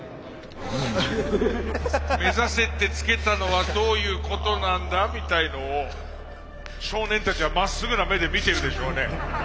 「目指せ」ってつけたのはどういうことなんだみたいのを少年たちはまっすぐな目で見てるでしょうね。